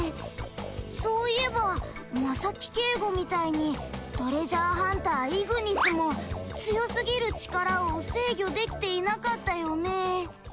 そういえばマサキケイゴみたいにトレジャーハンターイグニスも強すぎる力を制御できていなかったよね。